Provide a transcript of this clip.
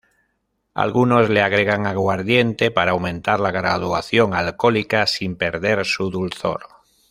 Algunos le agregan aguardiente para aumentar la graduación alcohólica sin perder su dulzor.